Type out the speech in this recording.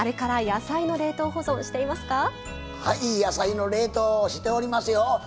野菜の冷凍しておりますよ！